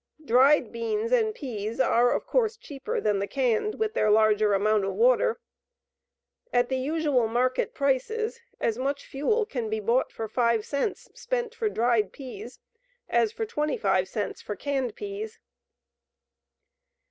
Dried beans and peas are, of course, cheaper than the canned with their larger amount of water. At the usual market prices as much fuel can be bought for 5 cents spent for dried peas as for 25 cents for canned peas.